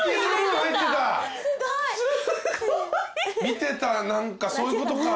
見てたそういうことか。